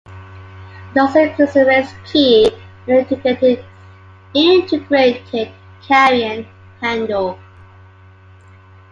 It also includes an erase key and an integrated carrying handle.